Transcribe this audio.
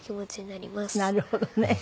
なるほどね。